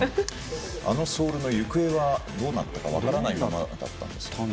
あのソールの行方はどうなったか分からないままだったんですね。